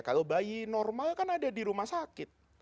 kalau bayi normal kan ada di rumah sakit